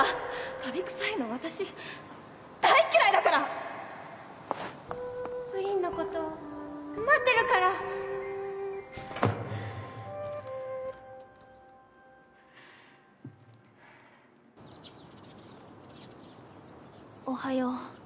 カビ臭いの私大ぷりんのこと待ってるからおはよう。